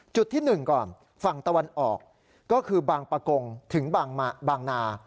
จุดที่๑ก่อนฝั่งตะวันออกก็คือบางปะกงถึงบางนา